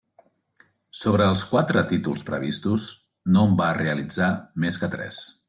Sobre els quatre títols previstos, no en va realitzar més que tres.